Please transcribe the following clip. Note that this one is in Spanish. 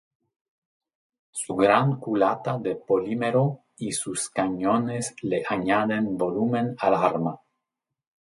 Su gran culata de polímero y sus cañones le añaden volumen al arma.